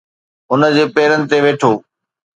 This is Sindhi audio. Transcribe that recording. هن جي پيرن تي ويٺو.